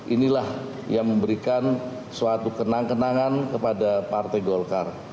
inilah yang memberikan suatu kenang kenangan kepada partai golkar